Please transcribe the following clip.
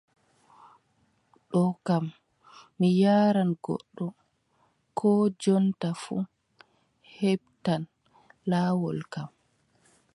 Ɗo kam mi yaaran goɗɗo koo jonta fuu, heɓtan laawol kam.